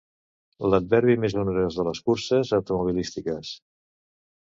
L'adverbi més onerós de les curses automobilístiques.